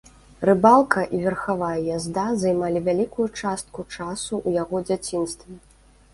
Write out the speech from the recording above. Рыбалка і верхавая язда займалі вялікую частку часу ў яго дзяцінстве.